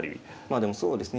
でもそうですね